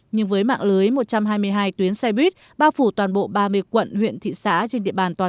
nhưng với mạng lưới một trăm hai mươi hai tuyến xe buýt bao phủ toàn bộ ba mươi quận huyện thị xã trên địa bàn toàn